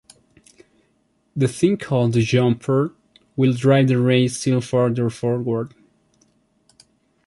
The thing called the jumper will drive the ray still farther forward.